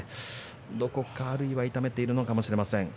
どこかあるいは痛めているのかもしれません。